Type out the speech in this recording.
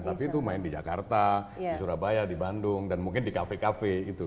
tapi itu main di jakarta di surabaya di bandung dan mungkin di kafe kafe itu